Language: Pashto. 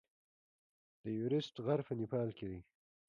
د ایورسټ غر په نیپال کې دی.